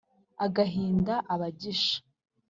agahinda abagisha